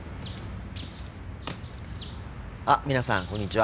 あ皆さんこんにちは。